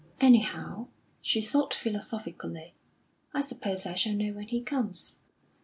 "Anyhow," she thought philosophically, "I suppose I shall know when he comes."